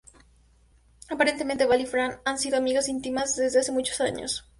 Aparentemente Val y Fran han sido amigas íntimas desde hace muchos años.